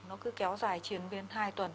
nó cứ kéo dài chiến biến hai tuần